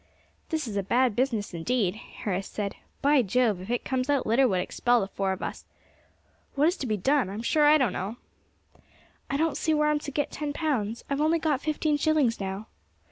"This is a bad business indeed," Harris said. "By Jove! if it comes out, Litter would expel the four of us. What is to be done? I am sure I don't know." "I don't see where I am to get ten pounds; I have only got fifteen shillings now."